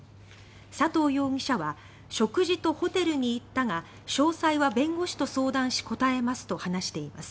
佐藤容疑者は食事とホテルに行ったが詳細は弁護士と相談し答えますと話しています。